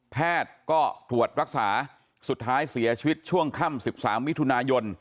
แพทย์ก็ตรวจรักษาสุดท้ายเสียชีวิตช่วงค่ำ๑๓มิถุนายน